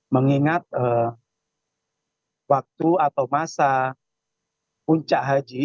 mengingat waktu atau masa puncak haji